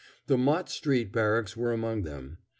The Mott Street Barracks were among them.